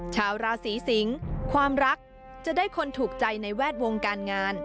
ชาวราศีสิงศ์ความรักจะได้คนถูกใจในแวดวงการงาน